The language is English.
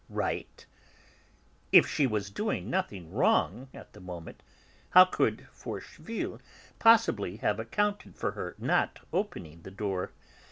Right? if she was doing nothing wrong at that moment how could Forcheville possibly have accounted for her not opening the door?